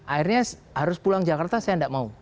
akhirnya harus pulang jakarta saya tidak mau